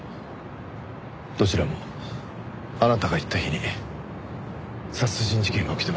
どちらもあなたが行った日に殺人事件が起きてます。